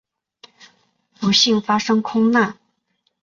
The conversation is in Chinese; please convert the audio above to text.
不幸发生空难。